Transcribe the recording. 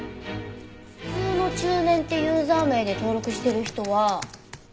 普通の中年ってユーザー名で登録してる人は。